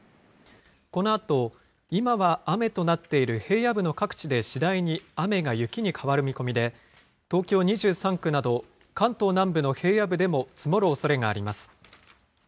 このあと、今は雨となっている平野部の各地で次第に雨が雪に変わる見込みで、東京２３区など、関東南部の平野部でも積もるおそれがあります。